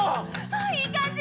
ああいい感じ